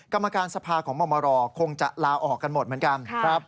กรรมการสภาของมรคงจะลาออกกันหมดเหมือนกัน